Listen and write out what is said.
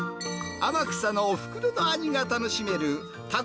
天草のおふくろの味が楽しめるタコ